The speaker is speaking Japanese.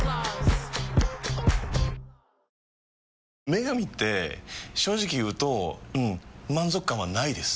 「麺神」って正直言うとうん満足感はないです。